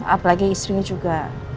apalagi istrinya juga